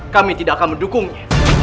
kami tidak akan mendukungnya